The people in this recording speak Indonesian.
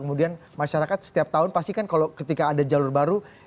kemudian masyarakat setiap tahun pasti kan kalau ketika ada jalur baru